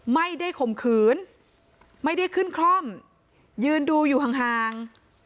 ข่มขืนไม่ได้ขึ้นคล่อมยืนดูอยู่ห่าง